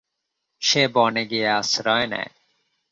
সে বনে গিয়ে আশ্রয় নেয়।